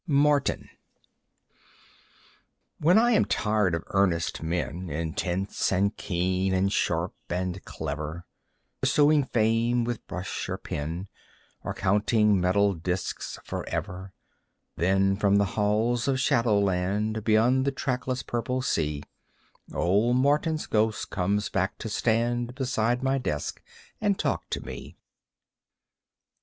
Martin When I am tired of earnest men, Intense and keen and sharp and clever, Pursuing fame with brush or pen Or counting metal disks forever, Then from the halls of Shadowland Beyond the trackless purple sea Old Martin's ghost comes back to stand Beside my desk and talk to me.